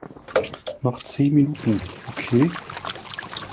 Noch zehn Minuten, okay?